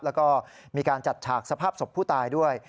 แล้วก็มีการจัดฉากสภาพศพผู้ตายด้วย